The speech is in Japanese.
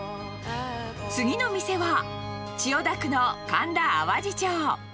次の店は、千代田区の神田淡路町。